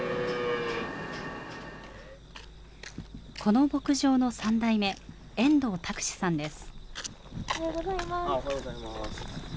この牧場の３代目、遠藤拓志さんです。